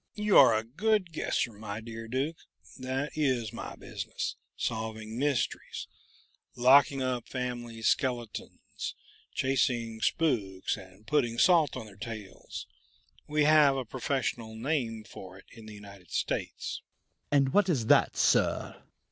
"You are a good guesser, my dear Duke. That is my business solving mysteries locking up family skeletons chasing spooks and putting salt on their tails. We have a professional name for it in the United States." "And what is that, sir?"